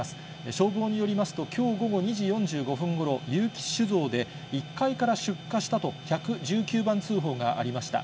消防によりますと、きょう午後２時４５分ごろ、結城酒造で１階から出火したと、１１９番通報がありました。